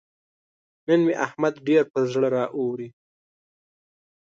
نن مې احمد ډېر پر زړه اوري.